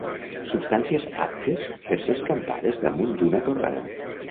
Substàncies aptes per ser escampades damunt d'una torrada.